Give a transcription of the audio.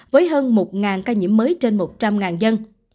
với hơn một ca nhiễm mới trên một trăm linh dân